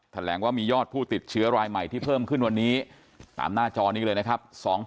แถลงว่ามียอดผู้ติดเชื้อรายใหม่ที่เพิ่มขึ้นวันนี้ตามหน้าจอนี้เลยนะครับ